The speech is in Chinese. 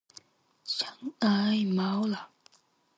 想爱猫了